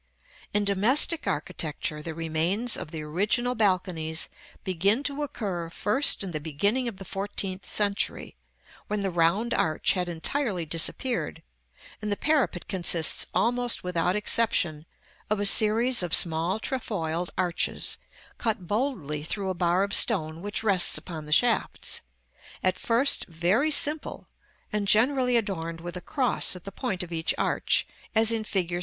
In domestic architecture, the remains of the original balconies begin to occur first in the beginning of the fourteenth century, when the round arch had entirely disappeared; and the parapet consists, almost without exception, of a series of small trefoiled arches, cut boldly through a bar of stone which rests upon the shafts, at first very simple, and generally adorned with a cross at the point of each arch, as in fig.